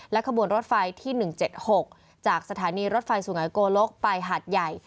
ขบวนรถไฟที่๑๗๖จากสถานีรถไฟสุงัยโกลกไปหาดใหญ่